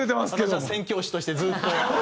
私は宣教師としてずっと。